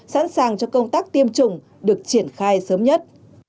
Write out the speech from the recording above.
sẵn sàng cho công tác tiêm chủng được triển khai sớm nhất